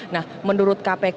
nah menurut kpk